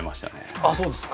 あっそうですか。